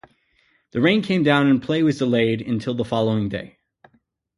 The rain came down and play was delayed until the following day.